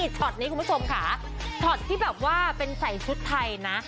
ช็อตนี้คุณผู้ชมค่ะช็อตที่แบบว่าเป็นใส่ชุดไทยนะ